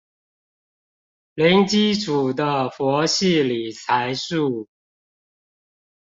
零基礎的佛系理財術